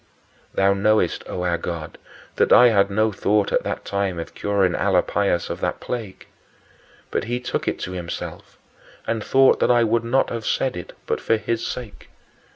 Thou knowest, O our God, that I had no thought at that time of curing Alypius of that plague. But he took it to himself and thought that I would not have said it but for his sake.